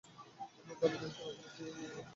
আপনার ধারণা, ঈশ্বর আপনাকে বাঁচাবে?